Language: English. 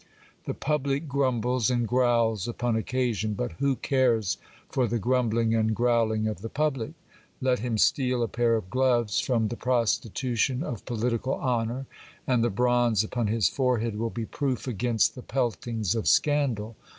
The public grumbles and growls upon occasion ; but who cares for the grumbling and growling of the public ? Let him steal a pair of gloves from the prostitution of political honour, and the bronze upon his forehead will be proof against the peltings of scandal.